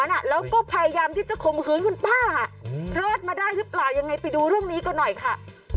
แล้วก็พยายามที่จะข่มขืนคุณป้ารอดมาได้หรือเปล่ายังไงไปดูเรื่องนี้กันหน่อยค่ะ